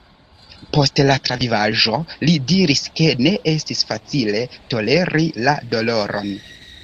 Post la travivaĵo, li diris, ke ne estis facile toleri la doloron.